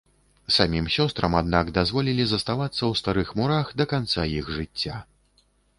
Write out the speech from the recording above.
Самім сёстрам аднак дазволілі заставацца ў старых мурах да канца іх жыцця.